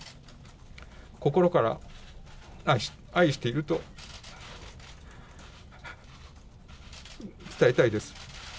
心から愛していると伝えたいです。